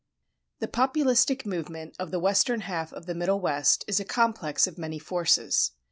The Populistic movement of the western half of the Middle West is a complex of many forces.